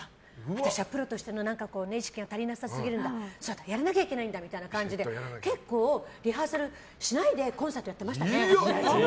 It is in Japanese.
私はプロとしての意識が足りなさすぎるんだ。やらなきゃいけないんだみたいな感じで結構、リハーサルしないでコンサートやってましたね。